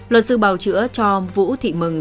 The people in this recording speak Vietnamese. luật sư bào chữa cho vũ thị mừng